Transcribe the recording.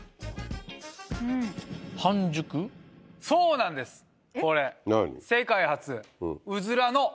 そうなんです。